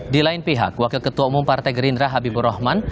di lain pihak wakil ketua umum partai gerindra habibur rahman